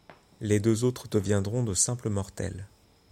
Les deux autres deviendront de simples mortels.